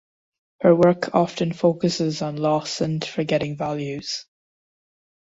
Her work often focuses on loss and forgetting values.